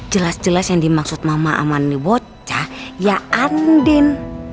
jelas jelas yang dimaksud mama aman ini bocah ya andin